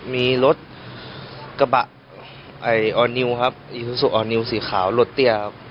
มีรถกระบะอ่ะออนิวครับออนิวสีขาวรถเตี้ย